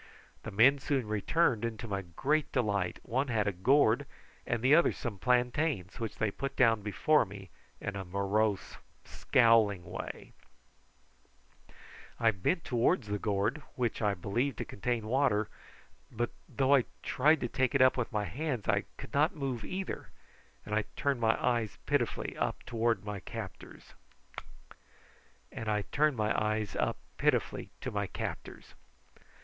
The men soon returned, and to my great delight one had a gourd and the other some plantains, which they put down before me in a morose, scowling way. I bent towards the gourd, which I believed to contain water; but though I tried to take it with my hands I could not move either, and I turned my eyes up pitifully to my captors.